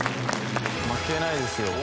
負けないですよ